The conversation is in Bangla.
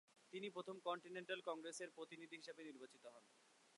তিনি প্রথম কন্টিনেন্টাল কংগ্রেসের প্রতিনিধি হিসেবে নির্বাচিত হন।